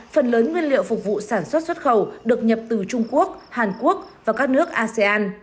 phần lớn nguyên liệu phục vụ sản xuất xuất khẩu được nhập từ trung quốc hàn quốc và các nước asean